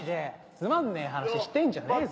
つまんねえ話してんじゃねえぞ。